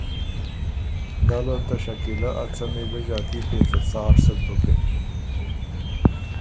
دل ال ته شکیلۀ ا څمی ګۀ ݫاتي پېڅه څار سُک بُکِن